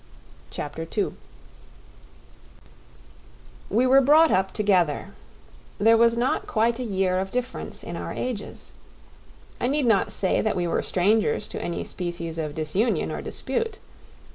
Chapter 2 We were brought up together; there was not quite a year difference in our ages. I need not say that we were strangers to any species of disunion or dispute.